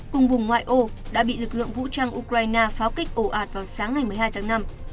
cùng vùng ngoại ô đã bị lực lượng vũ trang ukraine pháo kích ồ ạt vào sáng ngày một mươi hai tháng năm